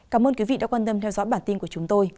cảm ơn quý vị đã quan tâm theo dõi bản tin của chúng tôi